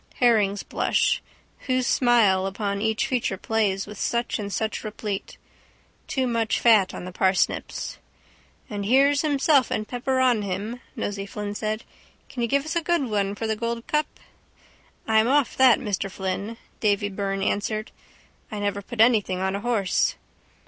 Herring's blush. Whose smile upon each feature plays with such and such replete. Too much fat on the parsnips. —And here's himself and pepper on him, Nosey Flynn said. Can you give us a good one for the Gold cup? —I'm off that, Mr Flynn, Davy Byrne answered. I never put anything on a horse.